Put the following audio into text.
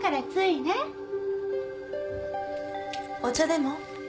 お茶でも？